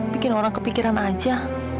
bikin orang kepikiran aja